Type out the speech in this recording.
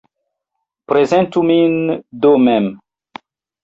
Prezentu min do mem!